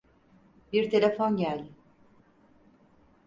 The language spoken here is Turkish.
Bir telefon geldi.